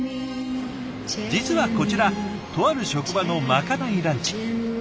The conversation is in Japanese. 実はこちらとある職場のまかないランチ。